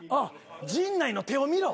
陣内の手を見ろ。